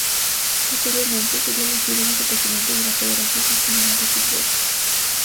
Posteriormente sería elegido vicepresidente de la Federación Castellana de fútbol.